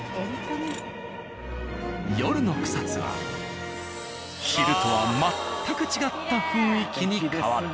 夜の草津は昼とは全く違った雰囲気に変わる。